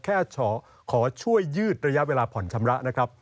ขอช่วยยืดระยะเวลาผ่อนชำระนะครับ